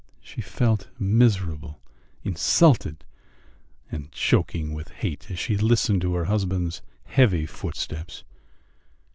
She felt miserable, insulted, and choking with hate as she listened to her husband's heavy footsteps.